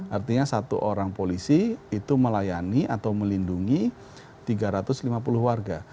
artinya satu orang polisi itu melayani atau melindungi tiga ratus lima puluh warga